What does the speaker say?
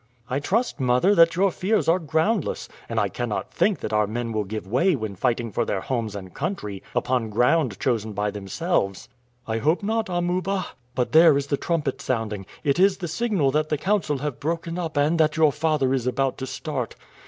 "I trust, mother, that your fears are groundless, and I cannot think that our men will give way when fighting for their homes and country upon ground chosen by themselves." "I hope not, Amuba. But there is the trumpet sounding; it is the signal that the council have broken up and that your father is about to start.